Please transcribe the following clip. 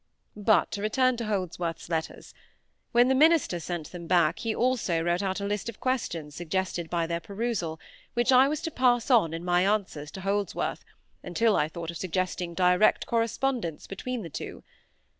But to return to Holdsworth's letters. When the minister sent them back he also wrote out a list of questions suggested by their perusal, which I was to pass on in my answers to Holdsworth, until I thought of suggesting direct correspondence between the two.